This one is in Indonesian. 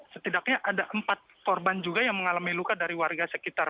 setidaknya ada empat korban juga yang mengalami luka dari warga sekitar